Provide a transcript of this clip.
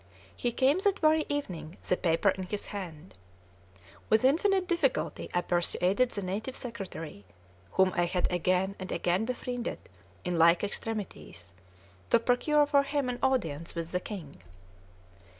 He came that very evening, the paper in his hand. With infinite difficulty I persuaded the native secretary, whom I had again and again befriended in like extremities, to procure for him an audience with the king.